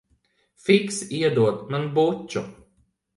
Fiksi iedod man buču.